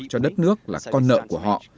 cho đất nước là con nợ của họ